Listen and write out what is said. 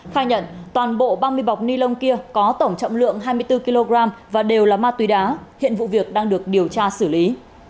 khai nhận toàn bộ ba mươi bọc ni lông kia có tổng trọng lượng hai mươi bốn kg và đều là ma túy đá hiện vụ việc đang được điều tra xử lý